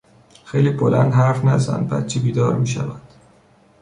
خیلی بلند حرف نزن بچه بیدار میشود.